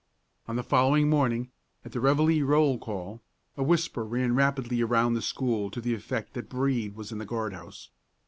On the following morning, at the reveille roll call, a whisper ran rapidly around the school to the effect that Brede was in the guard house.